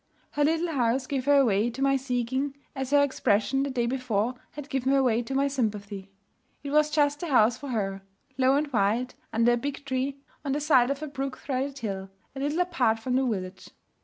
Her little house gave her away to my seeking, as her expression, the day before, had given her away to my sympathy. It was just the house for her: low and white, under a big tree, on the side of a brook threaded hill, a little apart from the village.